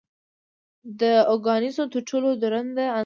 د اوګانیسون تر ټولو دروند عنصر دی.